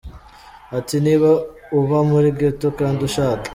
Ati, niba uba muri ghetto kandi ushaka.